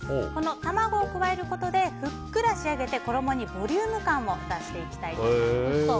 卵を加えることでふっくら仕上げて衣にボリューム感も出していきたいと思います。